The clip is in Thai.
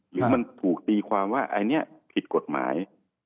หรือมันถูกตีความว่าอันนี้ผิดกฎหมาย